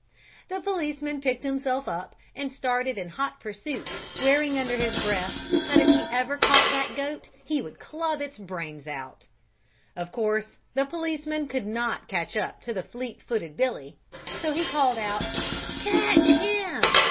The policeman picked himself up and started in hot pursuit, swearing under his breath that if he ever caught that goat he would club its brains out. Of course the policeman could not catch up to the fleet footed Billy, so he called out "Catch him!"